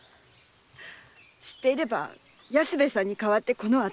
知っていれば安兵衛さんに代わってこのあたしが。